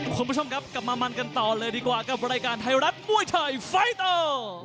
คุณผู้ชมครับกลับมามันกันต่อเลยดีกว่ากับรายการไทยรัฐมวยไทยไฟเตอร์